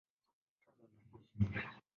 Tuzo na Heshima